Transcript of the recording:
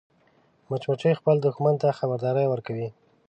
مچمچۍ خپل دښمن ته خبرداری ورکوي